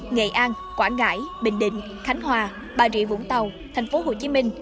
nghệ an quảng ngãi bình định khánh hòa bà rịa vũng tàu thành phố hồ chí minh